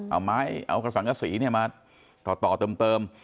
เอาไม้เอากสังศรีเนี่ยมาต่อเติม